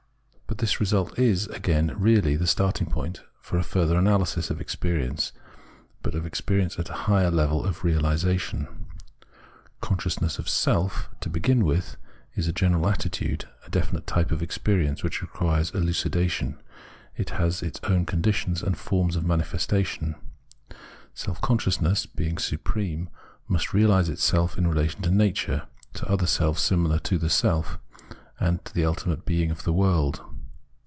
But this result is, again, really the starting point for a further analysis of experience, but of experience at a higher level of realisation. Con sciousness of self is to begin with a general attitude, a definite type of experience, which requires elucidation. It has its own conditions and forms of manifestation. Self consciousness, being supreme, must realise itself in relation to nature, to other selves similar to the self, and to the Ultimate Being of the world.